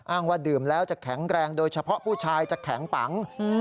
ว่าดื่มแล้วจะแข็งแรงโดยเฉพาะผู้ชายจะแข็งปัง